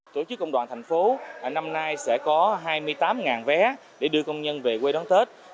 tổ chức công đoàn thành phố năm nay sẽ có hai mươi tám vé để đưa công nhân về quê đón tết